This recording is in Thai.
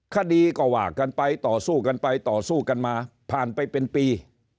คดีก็ว่ากันไปต่อสู้กันไปต่อสู้กันมาผ่านไปเป็นปี